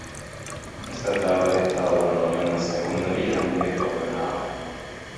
Esta tarde he estado dándole una segunda vida a mi viejo ordenador.